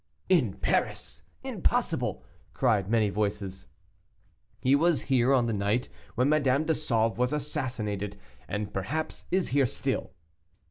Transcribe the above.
"In Paris! impossible!" cried many voices. "He was here on the night when Madame de Sauve was assassinated, and perhaps is here still."